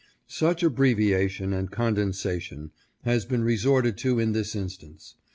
Such abbreviation and condensation has been resorted to in this instance.